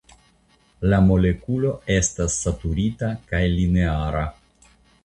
La molekulo estas saturita kaj lineara.